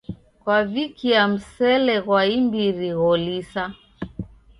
Kwavikia msele ghwa imbiri gholisa.